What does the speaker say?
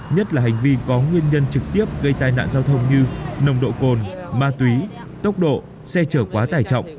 nhất là hành vi có nguyên nhân trực tiếp gây tai nạn giao thông như nồng độ cồn ma túy tốc độ xe chở quá tải trọng